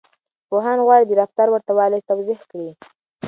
پوهان غواړي د رفتار ورته والی توضيح کړي.